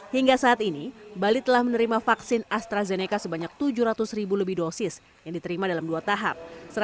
hingga saat ini bali telah menerima vaksin astrazeneca sebanyak tujuh ratus ribu lebih dosis yang diterima dalam dua tahap